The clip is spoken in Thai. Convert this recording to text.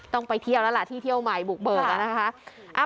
ต้องไปเที่ยวแล้วล่ะที่เที่ยวใหม่บุกเบิกแล้วนะคะ